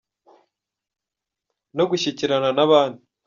no gushyikirana n'abandi